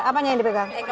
apanya yang dipegang